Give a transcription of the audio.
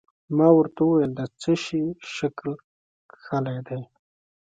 ما ورته وویل: د څه شي شکل کښلی دی؟